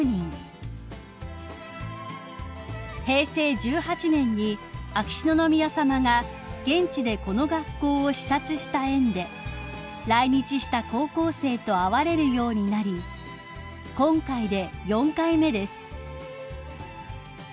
［平成１８年に秋篠宮さまが現地でこの学校を視察した縁で来日した高校生と会われるようになり今回で４回目です］